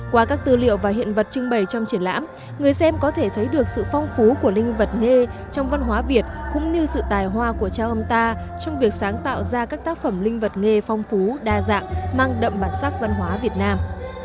qua các tư liệu và hiện vật trưng bày trong triển lãm người xem có thể thấy được sự phong phú của linh vật nghề trong văn hóa việt cũng như sự tài hoa của cha ông ta trong việc sáng tạo ra các tác phẩm linh vật nghề phong phú đa dạng mang đậm bản sắc văn hóa việt nam